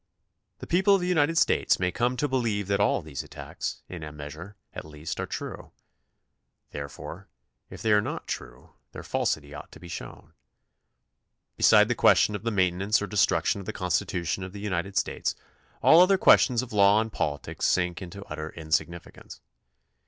The people of the United States may come to believe that all these attacks, in a measure, at least, are true. Therefore if they are not true, their falsity ought to be shown. Beside the question of the maintenance or destruction of the Constitution of the United States all other questions of law and policies sink into utter insignificance.